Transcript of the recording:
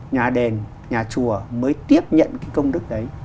nhà đền nhà chùa mới tiếp nhận cái công đức đấy